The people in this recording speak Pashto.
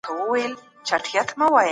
اسلام کامل او بشپړ دين دی